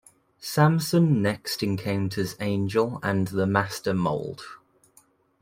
Samson next encounters Angel and the Master Mold.